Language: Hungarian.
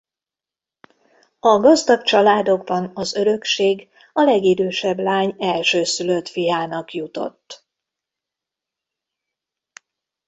A gazdag családokban az örökség a legidősebb lány elsőszülött fiának jutott.